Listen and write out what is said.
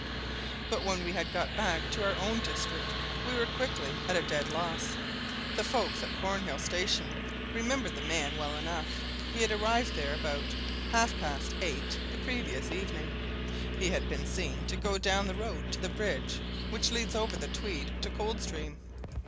But when we had got back to our own district we were quickly at a dead loss. The folk at Cornhill station remembered the man well enough. He had arrived there about half past eight the previous evening. He had been seen to go down the road to the bridge which leads over the Tweed to Coldstream.